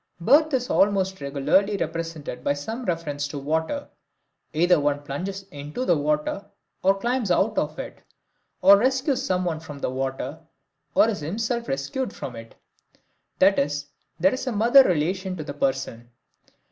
Birth is almost regularly represented by some reference to water; either one plunges into the water or climbs out of it, or rescues someone from the water, or is himself rescued from it, i.e., there is a mother relation to the person.